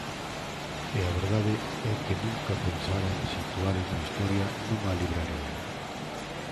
E a verdade é que nunca pensara en situar unha historia nunha libraría.